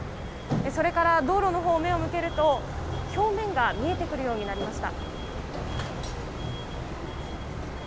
それから道路のほうに目を向けると表面が見えてくるようになりました。